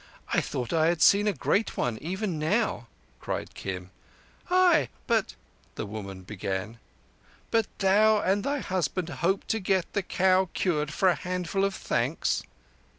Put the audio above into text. I thought I had seen a great one even now," cried Kim. "Ay—but—" the woman began. "But thou and thy husband hoped to get the cow cured for a handful of thanks."